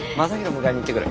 迎えに行ってくる。